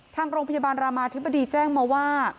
ทางโรงพยาบาลรามาธิบดีแจ้งมาว่า